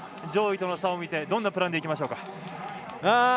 上位との差を見てどんなプランでいきましょうか。